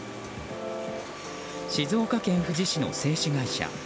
静岡県富士市の製紙会社。